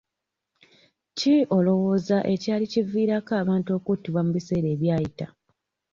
Ki olowooza ekyali kiviirako abantu okuttibwa mu biseera ebyayita?